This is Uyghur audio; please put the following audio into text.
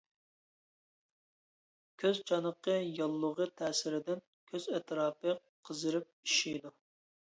كۆز چانىقى ياللۇغى تەسىرىدىن كۆز ئەتراپى قىزىرىپ ئىششىيدۇ.